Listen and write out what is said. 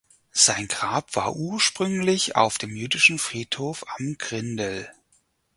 Sein Grab war ursprünglich auf dem Jüdischen Friedhof am Grindel.